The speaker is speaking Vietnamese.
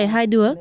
để hai đứa